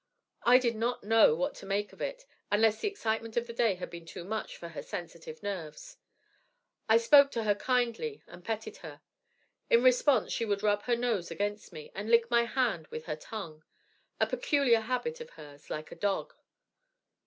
I did not know what to make of it, unless the excitement of the day had been too much for her sensitive nerves. I spoke to her kindly and petted her. In response she would rub her nose against me, and lick my hand with her tongue a peculiar habit of hers like a dog.